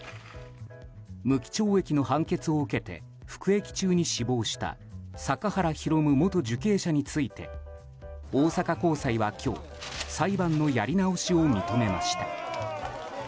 無期懲役の判決を受けて服役中に死亡した阪原弘元受刑者について大阪高裁は今日裁判のやり直しを認めました。